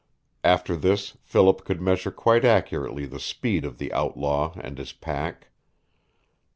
After this Philip could measure quite accurately the speed of the outlaw and his pack.